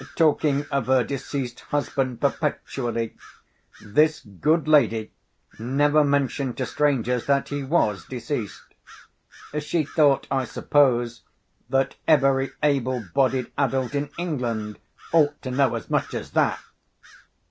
Talking of her deceased husband perpetually, this good lady never mentioned to strangers that he was deceased. She thought, I suppose, that every able bodied adult in England ought to know as much as that.